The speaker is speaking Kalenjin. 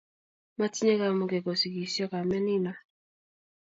Matinye kamuke kusikisio kamet nino